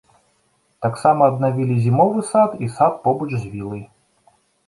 Таксама аднавілі зімовы сад і сад побач з вілай.